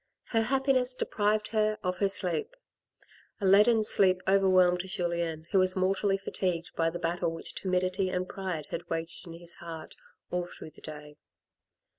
Her happiness deprived her of her sleep. A leaden sleep overwhelmed Julien who was mortally fatigued by the battle which timidity and pride had waged in his heart all through the day.